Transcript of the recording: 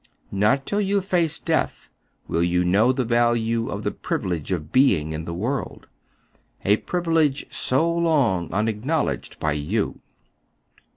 Not till you face death will you know the value of the privilege of being in the world, — a privilege so long unacknowledged by you."